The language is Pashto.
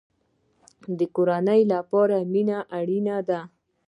د کورنۍ لپاره مینه اړین ده